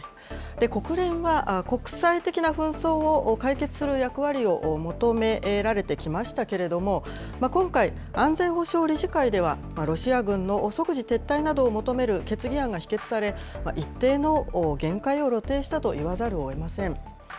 国連は国際的な紛争を解決する役割を求められてきましたけれども、今回、安全保障理事会では、ロシア軍の即時撤退などを求める決議案が否決され、一定の限界を露呈したと言わざるをえません。